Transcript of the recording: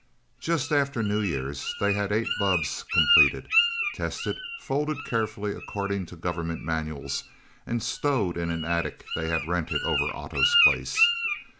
Just after New Year's they had eight bubbs completed, tested, folded carefully according to government manuals, and stowed in an attic they had rented over Otto's place.